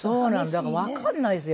だからわかんないですよ